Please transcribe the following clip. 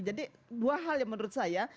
jadi dua hal yang menurut saya